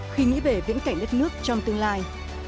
khi nghĩ về viễn cảnh đất nước trong tương lai